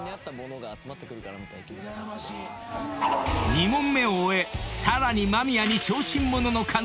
［２問目を終えさらに間宮に小心者の可能性が！］